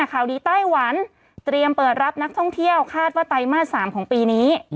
ข่าวดีไต้หวันเตรียมเปิดรับนักท่องเที่ยวคาดว่าไตรมาส๓ของปีนี้